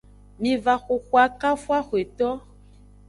Miva xoxu akafu axweto.